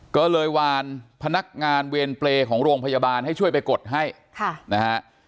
ก็เลยวานพนักงานเวรเปรย์ของโรงพยาบาลให้ช่วยไปกดให้ค่ะนะฮะ